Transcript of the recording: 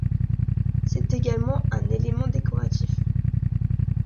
C'est également un élément décoratif.